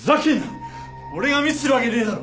俺がミスするわけねえだろ！